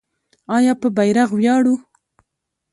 آیا په بیرغ ویاړو؟